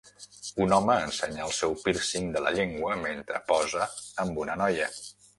Un home ensenya el seu pírcing de la llengua mentre posa amb una noia.